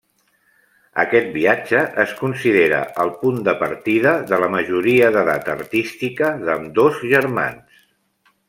Aquest viatge es considera el punt de partida de la majoria d'edat artística d'ambdós germans.